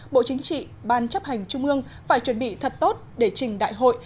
bộ chính trị ban chấp hành trung ương phải chuẩn bị thật tốt để trình đại hội